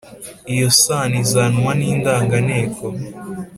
iyo sano izanwa n’indanganteko